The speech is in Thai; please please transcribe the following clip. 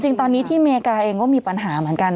จริงตอนนี้ที่อเมริกาเองก็มีปัญหาเหมือนกัน